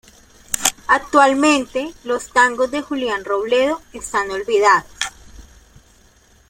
Actualmente los tangos de Julián Robledo están olvidados.